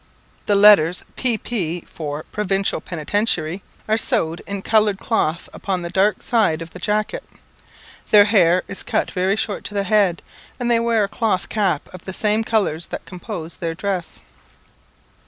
The letters P.P. for "Provincial Penitentiary," are sewed in coloured cloth upon the dark side of the jacket. Their hair is cut very short to the head, and they wear a cloth cap of the same colours that compose their dress.